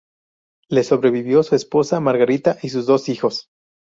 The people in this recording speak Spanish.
Le sobrevivió su esposa Margarita y sus dos hijos.